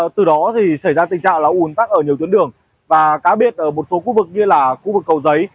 từ đó thì xảy ra tình trạng là ủn tắc ở nhiều tuyến đường và cá biệt ở một số khu vực như là khu vực cầu giấy